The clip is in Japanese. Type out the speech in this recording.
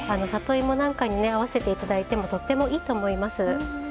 里芋なんかにね合わせて頂いてもとってもいいと思います。